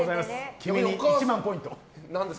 君に１万ポイント。